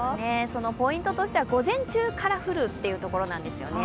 そのポイントとしては、午前中から降るというところです。